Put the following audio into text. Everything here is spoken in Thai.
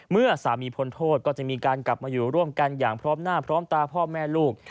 เมื่อสามีพ้นโทษก็จะมีการกลับมาอยู่ร่วมกันอย่างพร้อมหน้าพร้อมตาพ่อแม่ลูก